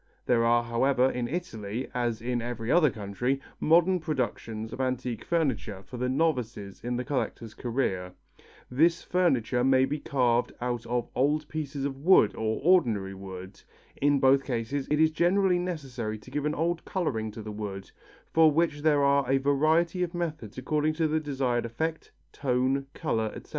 There are, however, in Italy, as in every other country, modern productions of antique furniture for the novices in the collector's career. This furniture may be carved out of old pieces of wood or ordinary wood. In both cases it is generally necessary to give an old colouring to the wood, for which there are a variety of methods according to the desired effect, tone, colour, etc.